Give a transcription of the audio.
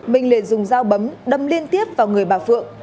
minh liền dùng dao bấm đâm liên tiếp vào người bà phượng